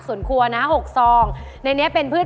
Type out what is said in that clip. อุปกรณ์ทำสวนชนิดใดราคาถูกที่สุด